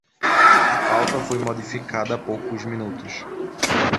A pauta foi modificada há poucos minutos